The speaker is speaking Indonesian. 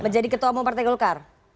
menjadi ketua umum partai gold car